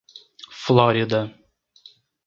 Flórida